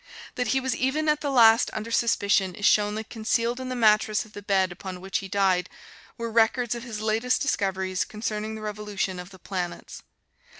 That he was even at the last under suspicion is shown that concealed in the mattress of the bed upon which he died were records of his latest discoveries concerning the revolution of the planets.